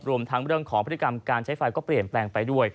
รวมทั้งเรื่องของพฤติกรรมการใช้ไฟก็เปลี่ยนแปลงไปด้วย